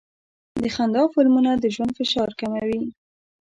د خندا فلمونه د ژوند فشار کموي.